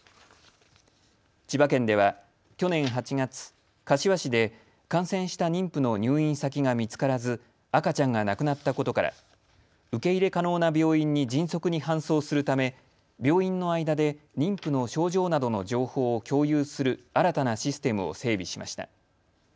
千葉県では去年８月、柏市で感染した妊婦の入院先が見つからず赤ちゃんが亡くなったことから受け入れ可能な病院に迅速に搬送するため病院の間で妊婦の症状などの情報を共有する新たなシステムを整備しました。